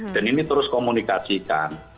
dan ini terus komunikasikan